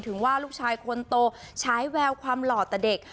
ถึงว่าลูกชายคนโตใช้แววความหล่อแต่เด็ก